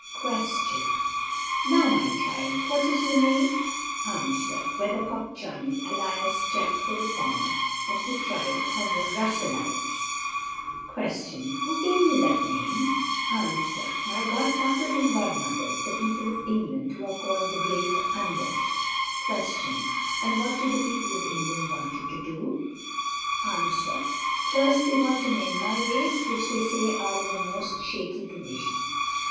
Question. Now my child, what is your Name? Answer. Weathercock Johnny, alias Jack the Reformer, of the tribe of Russellites. Q. Who gave you that Name? A. My Godfathers and Godmothers, the People of England, who are called the great unwashed. Q. And what do the People of England want you to do? A. First, they want to amend my ways, which they say are in a most shaky condition.